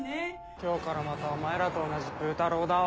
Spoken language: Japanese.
今日からまたお前らと同じプータローだわ。